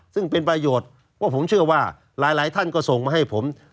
ซึ่งเป็นประโยชน์ว่าผมเชื่อว่าหลายท่านก็ส่งมาให้ผม